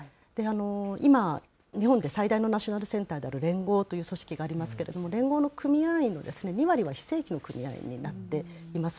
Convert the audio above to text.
今、日本で最大のナショナルセンターである連合という組織がありますけれども、連合の組合員の２割は非正規の組合になっています。